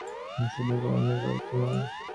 আমি শুধু কর্মী বৈ তো নয়।